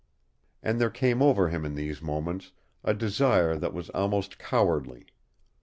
And there came over him in these moments a desire that was almost cowardly.